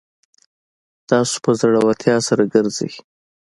تاسو په زړورتیا سره ګرځئ